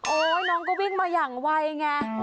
น้องก็วิ่งมาอย่างไวไง